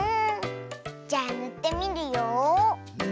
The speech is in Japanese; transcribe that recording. じゃあぬってみるよ。